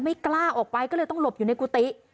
กล้าออกไปก็เลยต้องหลบอยู่ในกุฏิ